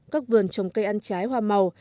các vườn trồng cây ăn trái hoa màu